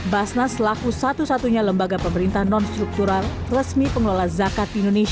basnas laku satu satunya lembaga pemerintah nonstruktural resmi pengelola zakat di indonesia